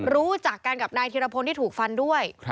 รู้จักกันกับนายธิรพลที่ถูกฟันด้วย